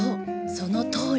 そのとおり。